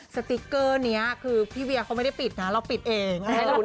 สติกเกอร์นี้พี่เวียก็ไม่ได้ปริดนะเราปริดเอง